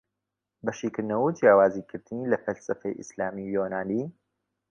بە شیکردنەوەو جیاوزی کردنی لە فەلسەفەی ئیسلامی و یۆنانی